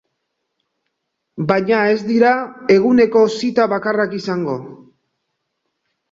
Baina ez dira eguneko zita bakarrak izango.